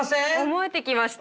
思えてきました。